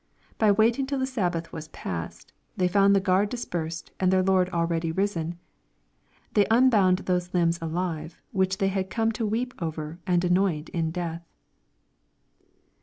By waiting till the Sabbath was past, they found the guard dispersed, and their Lord already risen They unbound those limbs alive, which they had come to weep over and anoint in death."